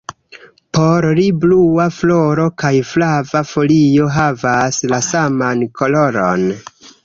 Por ri, blua floro kaj flava folio havas la saman koloron.